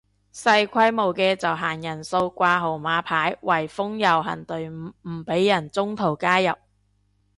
細規模嘅就限人數掛號碼牌圍封遊行隊伍唔俾人中途加入